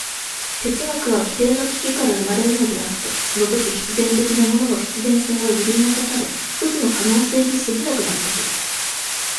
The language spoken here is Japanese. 哲学は基底の危機から生まれるのであって、そのとき必然的なものの必然性は揺り動かされ、ひとつの可能性に過ぎなくなってくる。